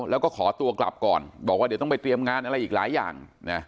แล้วก็ขอตัวกลับก่อนบอกว่าเดี๋ยวต้องไปเตรียมงานอะไรอีกหลายอย่าง